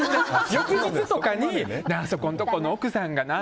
翌日とかにあそこのとこの奥さんがな